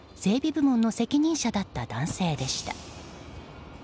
部門の責任者だった男性でした。